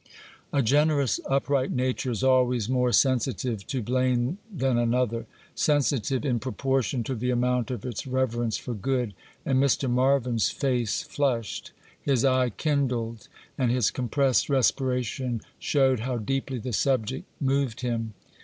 A generous, upright nature is always more sensitive to blame than another,—sensitive in proportion to the amount of its reverence for good,—and Mr. Marvyn's face flushed, his eye kindled, and his compressed respiration showed how deeply the subject moved him.